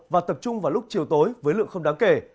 và tập trung vào lúc chiều tối với lượng không đáng kể